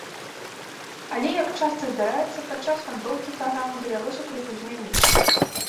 Але, як часта здараецца, падчас вандроўкі праграму давялося крыху змяніць.